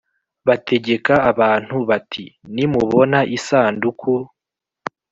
bategeka abantu bati Nimubona isanduku